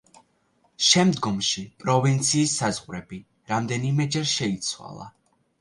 შემდგომში პროვინციის საზღვრები რამდენიმეჯერ შეიცვალა.